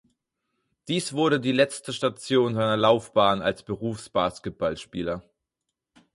Dies wurde die letzte Station seiner Laufbahn als Berufsbasketballspieler.